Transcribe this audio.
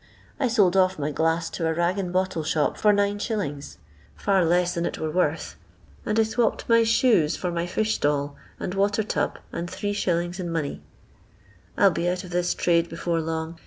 I sold off my glass to a rag and bottle shop for 9s., far less than it were worth, and I swopped my shoes for my fifth stall, and water tub, and 3«. in money. I '11 be out of this trade before long.